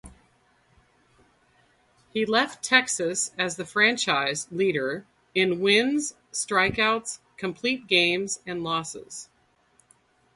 He left Texas as the franchise leader in wins, strikeouts, complete games and losses.